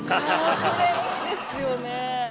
これいいですよね！